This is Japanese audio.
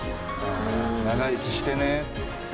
長生きしてね。